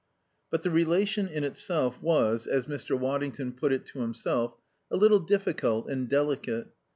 But the relation in itself was, as Mr. Waddington put it to himself, a little difficult and delicate.